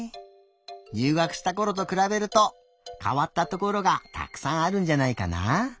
入学したころとくらべるとかわったところがたくさんあるんじゃないかな？